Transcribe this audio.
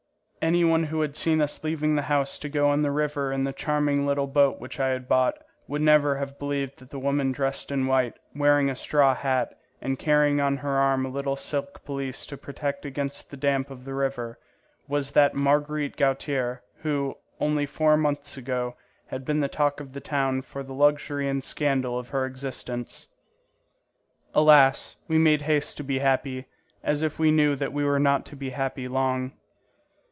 Any one who had seen us leaving the house to go on the river in the charming little boat which I had bought would never have believed that the woman dressed in white, wearing a straw hat, and carrying on her arm a little silk pelisse to protect her against the damp of the river, was that Marguerite Gautier who, only four months ago, had been the talk of the town for the luxury and scandal of her existence. Alas, we made haste to be happy, as if we knew that we were not to be happy long.